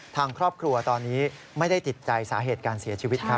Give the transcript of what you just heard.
ทางครอบครัวตอนนี้ไม่ได้ติดใจสาเหตุการเสียชีวิตครับ